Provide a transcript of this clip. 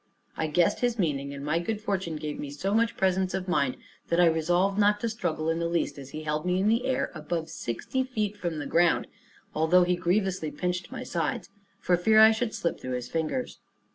I guessed his meaning, and my good fortune gave me so much presence of mind, that I resolved not to struggle in the least as he held me in the air above sixty feet from the ground, although he grievously pinched my sides, for fear I should slip through his fingers.